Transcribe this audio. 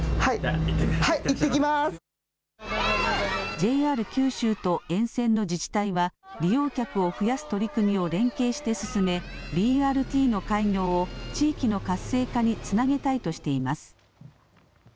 ＪＲ九州と沿線の自治体は利用客を増やす取り組みを連携して進めＢＲＴの開業を地域の活性化につなげたいとしています。